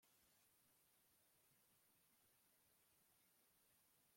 Dukore iki se kugira ngo duhagarike umuhengeri